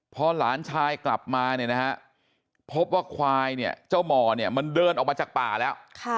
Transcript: พอหลานชายกลับมาเนี่ยนะฮะพบว่าควายเนี่ยเจ้าหมอเนี่ยมันเดินออกมาจากป่าแล้ว